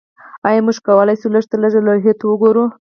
ایا موږ کولی شو لږترلږه لوحې ته وګورو